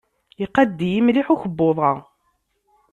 Iqadd-iyi mliḥ ukebbuḍ-a.